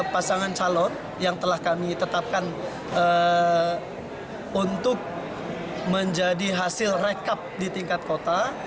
pasangan calon yang telah kami tetapkan untuk menjadi hasil rekap di tingkat kota